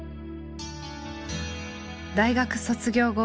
大学卒業後